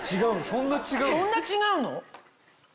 そんな違うの？